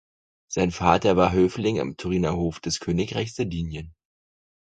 Sein Vater war Höfling am Turiner Hof des Königreichs Sardinien.